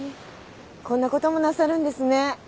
こんなこともなさるんですね。